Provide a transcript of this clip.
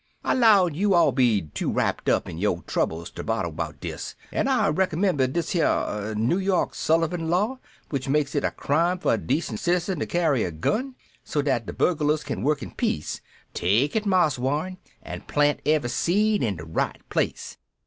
I 'lowed you all 'd be too wrapped up in yoh troubles ter bother about dis, an' I recomembered dis here Noo York Sullivan Law w'ich makes it a crime fer a decent citerzen ter carry a gun, so dat the burglars kin work in peace. Take it, Marse Warren, an' plant every seed in de right place!"